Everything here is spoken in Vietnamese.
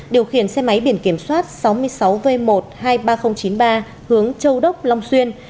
điều khiển xe máy biển kiểm soát sáu mươi sáu v một trăm hai mươi ba nghìn chín mươi ba hướng châu đốc long xuyên